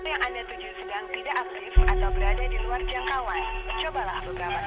apa raja aktif atau berada di luar jangkauan